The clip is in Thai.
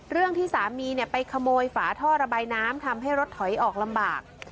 เรื่องที่สามีไปขโมยฝาท่อระบายน้ำทำให้รถถอยออกลำบาก